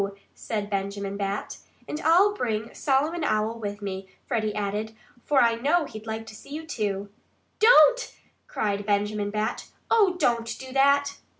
said Benjamin Bat. "And I'll bring Solomon Owl with me," Freddie added. "For I know he'd like to see you, too." "Don't!" cried Benjamin Bat. "Oh, don't do that!"